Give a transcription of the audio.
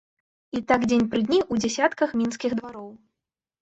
І так дзень пры дні, у дзясятках мінскіх двароў.